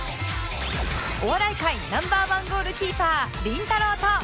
お笑い界 Ｎｏ．１ ゴールキーパーりんたろー。